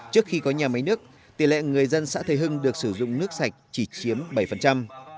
trước khi có nhà máy nước tỷ lệ người dân xã thế hưng được sử dụng nước sạch chỉ chiếm bảy